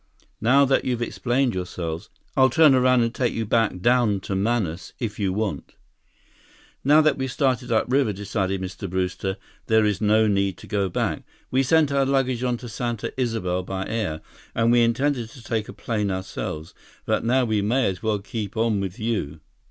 Now that you've explained yourselves, I'll turn around and take you back down to Manaus if you want." "Now that we've started upriver," decided Mr. Brewster, "there is no need to go back. We sent our luggage on to Santa Isabel by air, and we intended to take a plane ourselves. But now we may as well keep on with you."